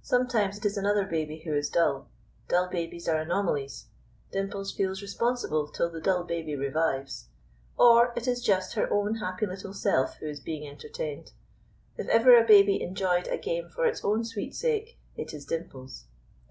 Sometimes it is another baby who is dull. Dull babies are anomalies. Dimples feels responsible till the dull baby revives. Or it is just her own happy little self who is being entertained. If ever a baby enjoyed a game for its own sweet sake, it is Dimples.